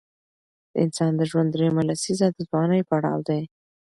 د انسان د ژوند دریمه لسیزه د ځوانۍ پړاو دی.